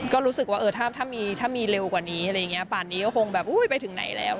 ก็รู้สึกว่าถ้ามีเร็วกว่านี้ป่านนี้ก็คงไปถึงไหนแล้ว